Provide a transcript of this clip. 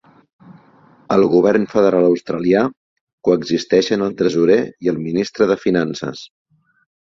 Al govern federal australià coexisteixen el tresorer i el ministre de finances.